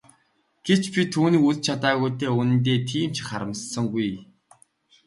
Гэвч би түүнийг үзэж чадаагүй дээ үнэндээ тийм ч их харамссангүй.